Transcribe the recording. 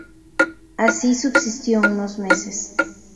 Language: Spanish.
Así subsistió unos meses.